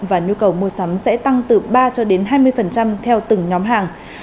và nhu cầu mua sắm sẽ tăng từ ba cho đến hai mươi theo từng nhóm hàng